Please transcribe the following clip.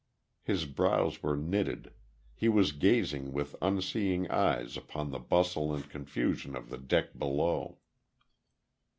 His brows were knitted; he was gazing with unseeing eyes upon the bustle and confusion of the dock below.